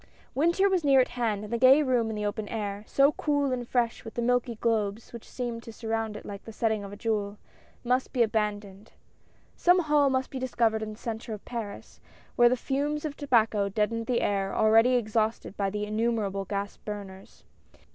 Winter was near at hand, and the gay room in the open air — so cool and fresh with the milky globes which seemed to surround it like the setting of a jewel — must be abandoned. Some hall must be discovered in the centre of Paris, where the fumes of tobacco deadened the air already exhausted by the innumerable gas burners.